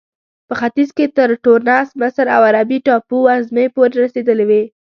په ختیځ کې تر ټونس، مصر او عربي ټاپو وزمې پورې رسېدلې وې.